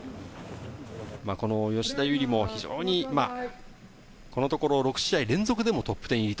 吉田優利も非常にこのところ６試合連続でトップテン入り。